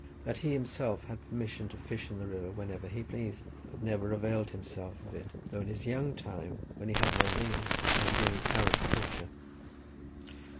That he himself had permission to fish in the river whenever he pleased, but never availed himself of it, though in his young time, when he had no leave, he had been an arrant poacher.